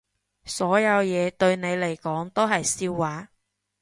所有嘢對你嚟講都係笑話